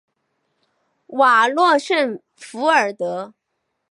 瓦罗什弗尔德。